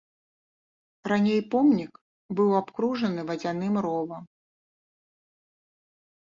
Раней помнік быў абкружаны вадзяным ровам.